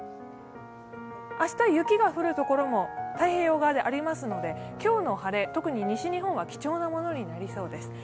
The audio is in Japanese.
明日、雪が降る所も太平洋側でありますので今日の晴れ、特に西日本は貴重なものになりそうです。